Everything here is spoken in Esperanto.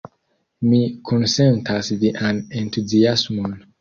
Mi kunsentas vian entuziasmon!